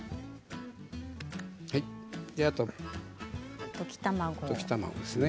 あとは溶き卵ですね。